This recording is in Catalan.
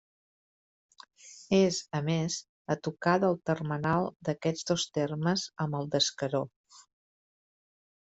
És, a més, a tocar del termenal d'aquests dos termes amb el d'Escaró.